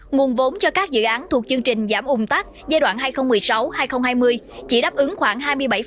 nguồn vốn cho các dự án thuộc chương trình giảm ung tắc giai đoạn hai nghìn một mươi sáu hai nghìn hai mươi chỉ đáp ứng khoảng hai mươi bảy